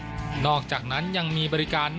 ด้านนักกีฬานอกจากการได้มารับประทานอาหารไทยให้อิ่มท้อง